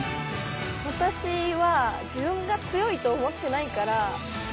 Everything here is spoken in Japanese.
私は自分が強いと思ってないから。